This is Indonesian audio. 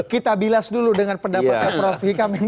kita bilas dulu dengan pendapatnya prof hikam